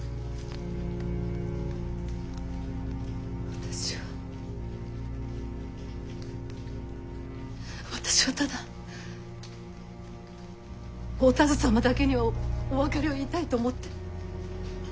私は私はただお田鶴様だけにはお別れを言いたいと思って。